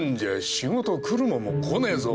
仕事来るもんも来ねえぞ。